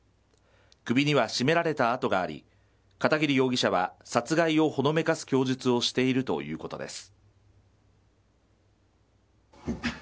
首には絞められた痕があり片桐容疑者は殺害をほのめかす供述をしているということです。